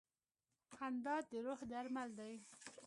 • خندا د روح درمل دی.